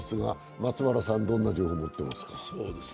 松原さん、どんな情報を持っていますか？